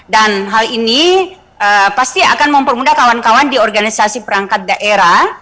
dan hal ini pasti akan mempermudah kawan kawan di organisasi perangkat daerah